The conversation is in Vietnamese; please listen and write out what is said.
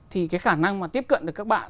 thì cái khả năng mà tiếp cận được các bạn